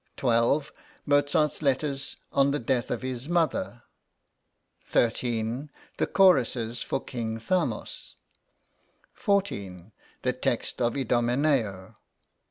12. Mozart's letters on the death of his mother. 13. The choruses for "King Thamos." 14. The text of "Idomeneo."